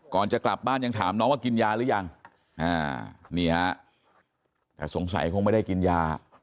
จะกลับบ้านยังถามน้องว่ากินยาหรือยังนี่ฮะแต่สงสัยคงไม่ได้กินยา